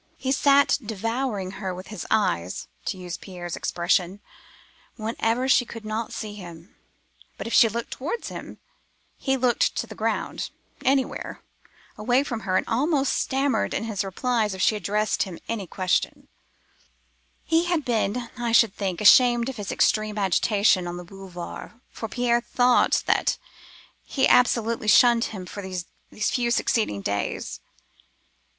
He sat 'devouring her with his eyes' (to use Pierre's expression) whenever she could not see him; but, if she looked towards him, he looked to the ground—anywhere—away from her and almost stammered in his replies if she addressed any question to him. "He had been, I should think, ashamed of his extreme agitation on the Boulevards, for Pierre thought that he absolutely shunned him for these few succeeding days.